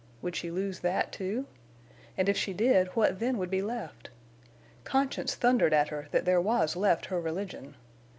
Would she lose that, too? And if she did, what then would be left? Conscience thundered at her that there was left her religion.